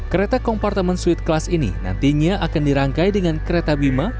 kereta kompartemen suite class ini nantinya akan dirangkai dengan kereta bima